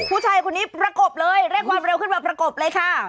ผู้ชายคนนี้ประกบเลยเร่งความเร็วขึ้นมาประกบเลยค่ะ